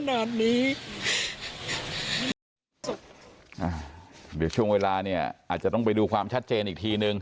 เดี๋ยวช่วงเวลาเนี่ยอาจจะต้องไปดูความชัดเจนอีกทีนึง